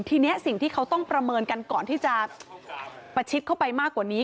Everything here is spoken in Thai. ทีนี้สิ่งที่เขาต้องประเมินกันก่อนที่จะประชิดเข้าไปมากกว่านี้